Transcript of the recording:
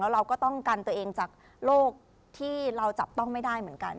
เราก็ต้องกันตัวเองจากโรคที่เราจับต้องไม่ได้เหมือนกัน